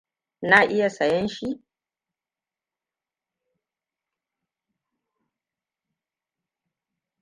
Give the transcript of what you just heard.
Na iya sayen shi?